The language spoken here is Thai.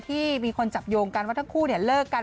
ที่มีคนจับโยงกันว่าทั้งคู่เลิกกัน